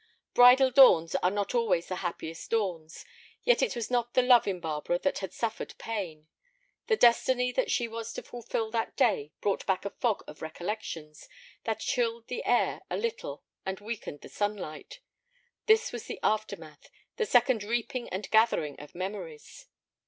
Bridal dawns are not always the happiest dawns, yet it was not the love in Barbara that had suffered pain. The destiny that she was to fulfil that day brought back a fog of recollections that chilled the air a little and weakened the sunlight. This was the aftermath, the second reaping and gathering of memories.